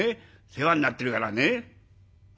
世話になってるからね」。